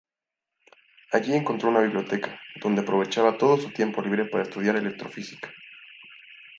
Allí encontró una biblioteca, donde aprovechaba todo su tiempo libre para estudiar electro-física.